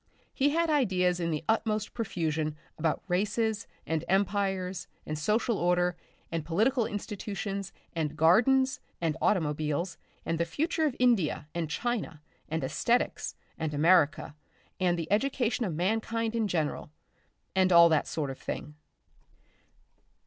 He had ideas in the utmost profusion about races and empires and social order and political institutions and gardens and automobiles and the future of India and China and aesthetics and America and the education of mankind in general.... And all that sort of thing....